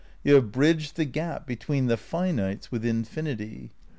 You have bridged the gap between the finites with infinity.